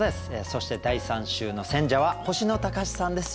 そして第３週の選者は星野高士さんです。